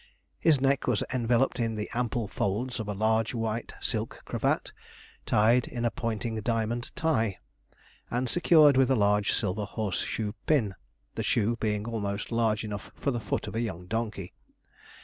His neck was enveloped in the ample folds of a large white silk cravat, tied in a pointing diamond tie, and secured with a large silver horse shoe pin, the shoe being almost large enough for the foot of a young donkey.